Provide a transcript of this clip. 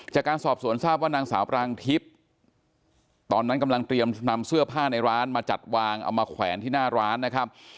จากการสอบสวนทราบว่านางสาวปรางทิพย์ตอนนั้นกำลังเตรียมนำเสื้อผ้าในร้านมาจัดวางเอามาแขวนที่หน้าร้านนะครับ